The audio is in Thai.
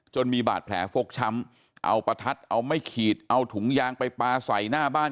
มีบาดแผลฟกช้ำเอาประทัดเอาไม่ขีดเอาถุงยางไปปลาใส่หน้าบ้าน